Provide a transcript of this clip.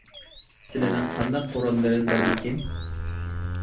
سىلىنىڭ قانداق قوراللىرى بارئىكىن؟